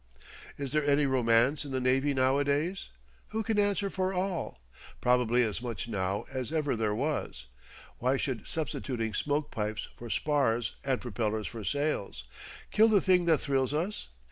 Is there any romance in the navy nowadays? Who can answer for all? Probably as much now as ever there was. Why should substituting smoke pipes for spars, and propellers for sails, kill the thing that thrills us?